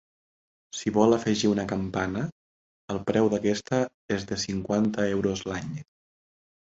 Si vol afegir una campana, el preu d'aquesta és de cinquanta euros l'any.